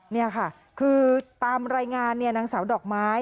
นี่ค่ะคือตามรายงานนางสาวดอกไม้